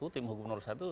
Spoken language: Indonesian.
tim hukum satu